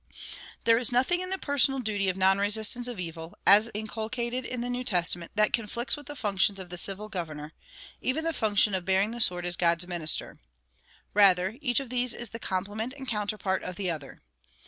There is nothing in the personal duty of non resistance of evil, as inculcated in the New Testament, that conflicts with the functions of the civil governor even the function of bearing the sword as God's minister. Rather, each of these is the complement and counterpart of the other.